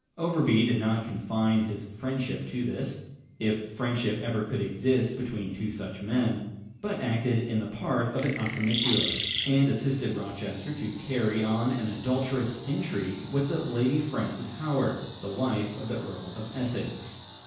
Overbury did not confine his friendship to this if friendship ever could exist between two such men but acted the part of an entremetteur, and assisted Rochester to carry on an adulterous intrigue with the Lady Frances Howard, the wife of the Earl of Essex.